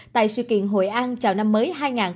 tại sự kiện hội an chào năm mới hai nghìn hai mươi bốn